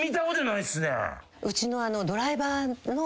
うちの。